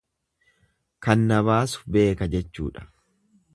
Kan na baasu beeka jechuudha.